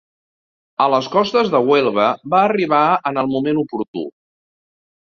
A les costes de Huelva va arribar en el moment oportú.